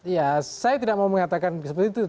ya saya tidak mau mengatakan seperti itu